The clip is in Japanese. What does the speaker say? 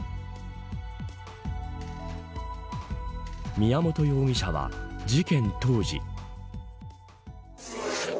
宮本容疑者は事件当時。